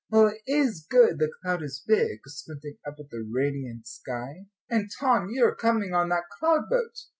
"Well, it is good the cloud is big," squinting up at the radiant sky. "And, Tom, you are coming on that cloud boat."